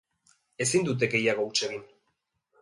Ezin dute gehiago huts egin.